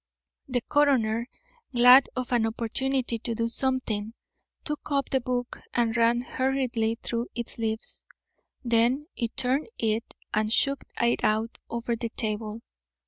The coroner, glad of an opportunity to do something, took up the book, and ran hurriedly through its leaves, then turned it and shook it out over the table.